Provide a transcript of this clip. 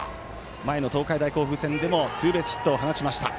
前の東海大甲府戦でもツーベースヒットを放ちました。